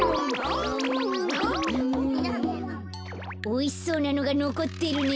おいしそうなのがのこってるね。